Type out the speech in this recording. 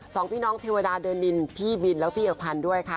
สองพี่น้องเทวดาเดินดินพี่บินแล้วพี่เอกพันธ์ด้วยค่ะ